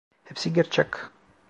Hepsi gerçek.